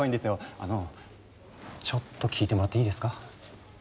あのちょっと聞いてもらっていいですか？